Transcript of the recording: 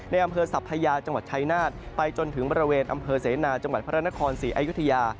อำเภอสัพพยาจังหวัดชายนาฏไปจนถึงบริเวณอำเภอเสนาจังหวัดพระนครศรีอายุทยา